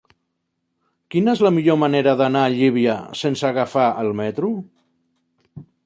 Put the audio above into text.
Quina és la millor manera d'anar a Llívia sense agafar el metro?